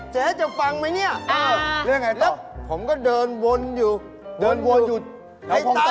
เจ๊จะฟังไหมเนี่ยและและผมก็เดินวนอยู่เดินวนอยุ่สด